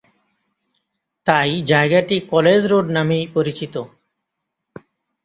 তাই জায়গাটি college road নামেই পরিচিত।